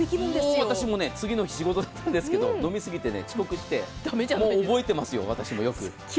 もう私も次の日仕事だったんですけど、飲み過ぎて遅刻して、覚えてますよ、私もよく。